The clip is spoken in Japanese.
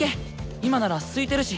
今なら空いてるし！